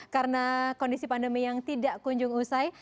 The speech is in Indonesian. karena kondisi pandemi yang tidak kunjung usai